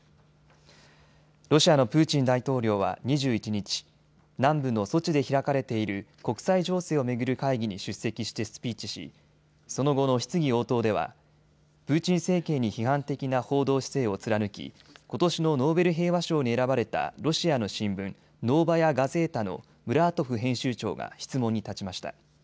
ロシアのプーチン大統領は２１日、南部のソチで開かれている国際情勢を巡る会議に出席してスピーチし、その後の質疑応答ではプーチン政権に批判的な報道姿勢を貫き、ことしのノーベル平和賞に選ばれたロシアの新聞、ノーバヤ・ガゼータのムラートフ編集長が質問に立ちました。